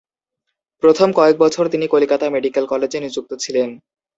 প্রথম কয়েক বছর তিনি কলিকাতা মেডিক্যাল কলেজে নিযুক্ত ছিলেন।